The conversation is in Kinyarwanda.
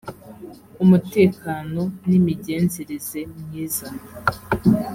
umutekano n imigenzereze myiza